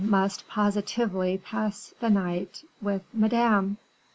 must positively pass the night the night with Madame."